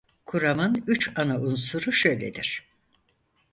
Kuramın üç ana unsuru şöyledir: